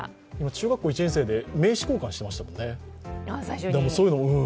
中学校１年生で名刺交換してましたもんね。